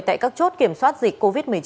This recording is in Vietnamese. tại các chốt kiểm soát dịch covid một mươi chín